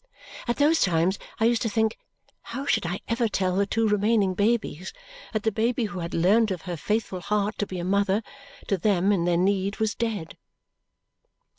At those times I used to think, how should I ever tell the two remaining babies that the baby who had learned of her faithful heart to be a mother to them in their need was dead!